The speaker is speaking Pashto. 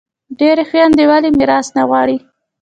ډیری خویندي ولي میراث نه غواړي؟